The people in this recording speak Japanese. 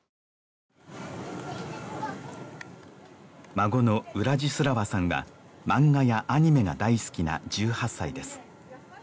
孫のウラジスラワさんは漫画やアニメが大好きな１８歳です